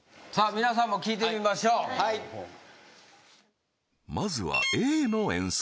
皆さんも聴いてみましょうはいまずはＡの演奏